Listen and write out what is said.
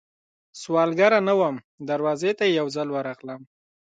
سوالګره نه وم، دروازې ته یې یوځل ورغلم